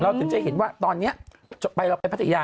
เราจึงจะเห็นว่าตอนนี้ตอนที่ไปพัชยา